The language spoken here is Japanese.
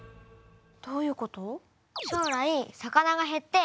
どういうこと？